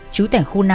chú tẻ khu năm